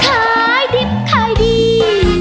ใครดิบใครดี